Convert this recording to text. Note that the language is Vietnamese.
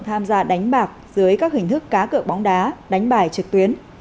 tham gia đánh bạc dưới các hình thức cá cợ bóng đá đánh bài trực tuyến